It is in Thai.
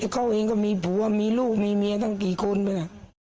เขาเองก็มีผัวมีลูกมีเมียตั้งกี่คนไปน่ะ